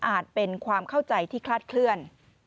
เป็นความเข้าใจที่คลาดเคลื่อน